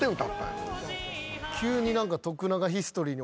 急に何か。